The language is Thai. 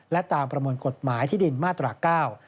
และตามประมวลกฎหมายที่ดินมาตราเก้า